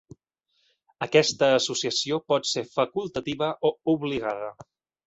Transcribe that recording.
Aquesta associació pot ser facultativa o obligada.